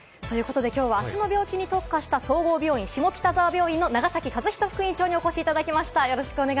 きょうは足の病気に特化した総合病院・下北沢病院の長崎和仁副院長に解説していただきます。